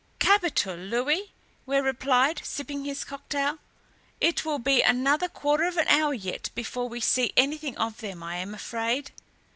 "Capital, Louis!" Ware replied, sipping his cocktail. "It will be another quarter of an hour yet before we see anything of them, I am afraid."